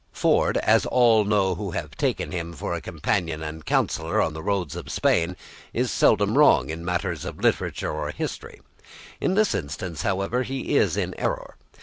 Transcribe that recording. Ford, as all know who have taken him for a companion and counsellor on the roads of Spain, is seldom wrong in matters of literature or history. In this instance, however, he is in error.